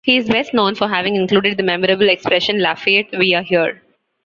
He is best known for having included the memorable expression Lafayette, we are here!